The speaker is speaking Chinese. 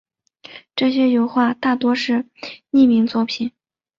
这些油画大多是匿名作品。